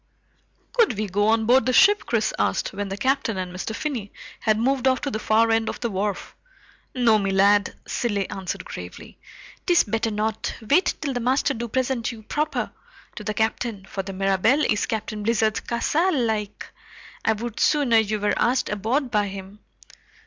"Could we go on board the ship?" Chris asked, when the Captain and Mr. Finney had moved off to the far end of the wharf. "No, me lad," Cilley answered gravely. "'Tis better not. Wait till the master do present you proper to the Captain, for the Mirabelle is Captain Blizzard's castle, like. I would sooner ye were asked aboard by him."